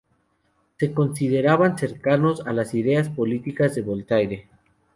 Se consideraban cercanos a las ideas políticas de Voltaire.